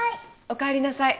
おかえりなさい。